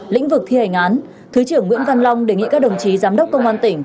lĩnh vực thi hành án thứ trưởng nguyễn văn long đề nghị các đồng chí giám đốc công an tỉnh